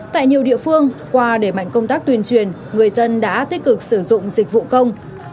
tại nhiều địa phương qua để mạnh công tác tuyên truyền người dân đã tích cực sử dụng dịch vụ công